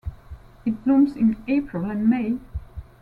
It blooms in April and May.